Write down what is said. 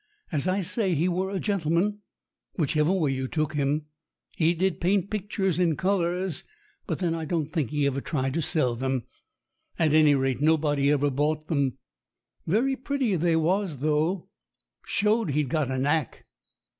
As I say, he were a gentleman whichever way you took him. He did paint pictures in colors, but then I don't 87 88 STORIES WITHOUT TEARS think he ever tried to sell them. At any rate, nobody ever bought them. Very pretty they was though, and showed he'd got a knack.